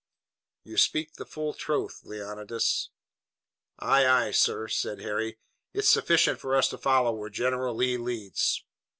"You speak the full truth, Leonidas." "Aye, aye, sir," said Harry. "It's sufficient for us to follow where General Lee leads."